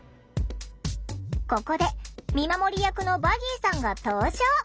ここで見守り役のヴァギーさんが登場。